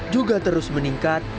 juga terus meningkat